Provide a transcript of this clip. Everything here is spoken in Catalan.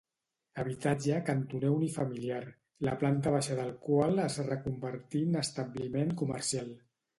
Habitatge cantoner unifamiliar, la planta baixa del qual es reconvertí en establiment comercial.